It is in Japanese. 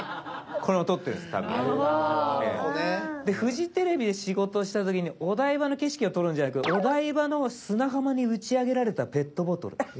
でフジテレビで仕事した時にお台場の景色を撮るんじゃなくて「お台場の砂浜に打ち上げられたペットボトル」。